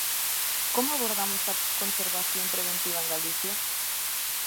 Como abordamos a conservación preventiva en Galicia?